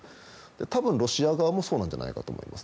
多分、ロシア側もそうなんじゃないかと思います。